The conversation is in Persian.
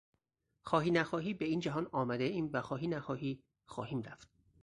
خواهی نخواهی به این جهان آمدیم و خواهی نخواهی خواهیم رفت.